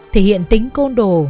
thể hiện tính côn đồ